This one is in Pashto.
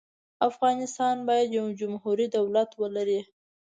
افغانستان باید یو جمهوري دولت ولري.